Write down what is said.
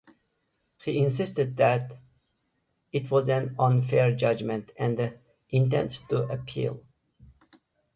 He insisted that it was an "unfair judgement" and intended to appeal.